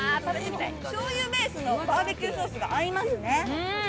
しょうゆベースのバーベキューが合いますね。